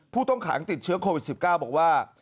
ผู้ต้องขังติดเชื้อโควิด๑๙บอกว่า